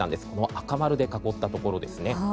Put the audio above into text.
赤丸で囲ったところですね。